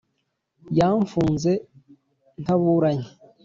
yamfunze ntaburanye